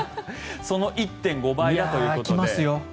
その１．５倍だということです。